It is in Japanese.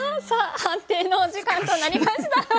さあ判定のお時間となりました。